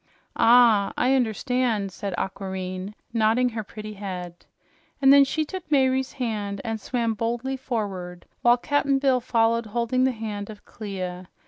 "Ah, I understand," said Aquareine, nodding her pretty head. And then she took Mayre's hand and swam boldly forward, while Cap'n Bill followed holding the hand of Clia.